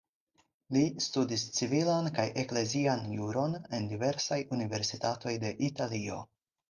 Li studis civilan kaj eklezian juron en diversaj universitatoj de Italio.